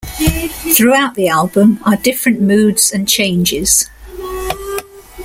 Throughout the album are different moods and changes.